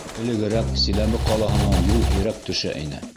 Элегерәк Силәбе ҡалаһына юл һирәк төшә ине.